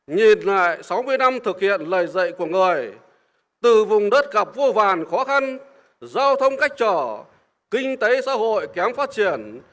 nhìn lại sáu mươi năm thực hiện lời dạy của người từ vùng đất gặp vô vàn khó khăn giao thông cách trở kinh tế xã hội kém phát triển